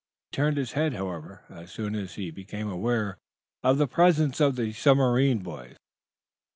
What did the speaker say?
He turned his head, however, as soon as he became aware of the presence of the submarine boys.